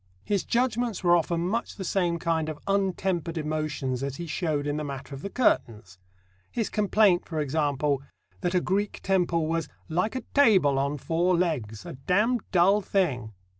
His judgments were often much the same kind of untempered emotions as he showed in the matter of the curtains his complaint, for example, that a Greek temple was "like a table on four legs: a damned dull thing!"